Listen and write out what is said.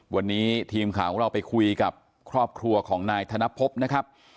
วันนี้ทีมข่าวของเราไปคุยกับครอบครัวของนายธนพบนะครับ